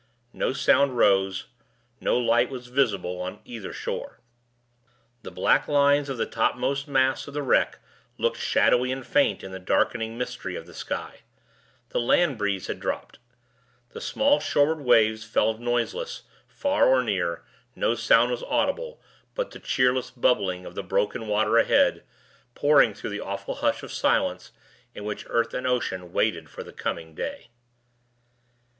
No sound rose, no light was visible, on either shore. The black lines of the topmost masts of the wreck looked shadowy and faint in the darkening mystery of the sky; the land breeze had dropped; the small shoreward waves fell noiseless: far or near, no sound was audible but the cheerless bubbling of the broken water ahead, pouring through the awful hush of silence in which earth and ocean waited for the coming day.